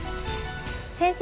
先生。